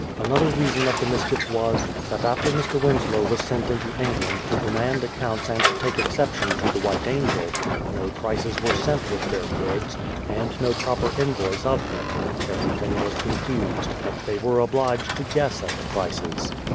Another reason of the mischief was, that after Mr. Winslow was sent into England to demand accounts and to take exception to the White Angel, no prices were sent with their goods, and no proper invoice of them; everything was confused, and they were obliged to guess at the prices.